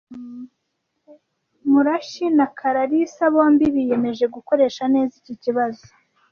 Murashyi na Kalarisa bombi biyemeje gukoresha neza iki kibazo.